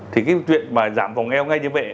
thì cái chuyện giảm vòng eo ngay như vậy